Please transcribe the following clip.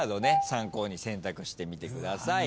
参考に選択してみてください。